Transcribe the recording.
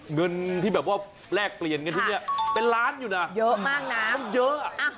เงินนักรวมเปลี่ยนทั่วที่เหรอเป็นล้านอยู่นะเยอะมากน้ะ